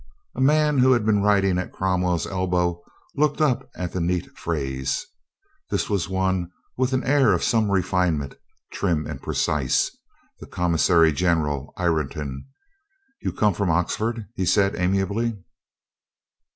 A man who had been writing at Cromwell's el bow looked up at the neat phrase. This was one with an air of some refinement, trim and precise, the commissary general, Ireton. "You come from Oxford?" said he amiably.